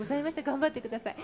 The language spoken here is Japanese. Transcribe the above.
頑張ってください。